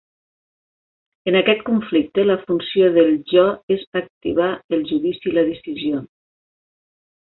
En aquest conflicte, la funció del jo és activar el judici i la decisió.